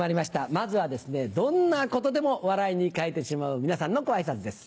まずはどんなことでも笑いに変えてしまう皆さんのご挨拶です。